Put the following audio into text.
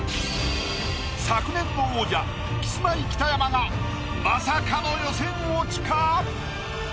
昨年の王者キスマイ北山がまさかの予選落ちか？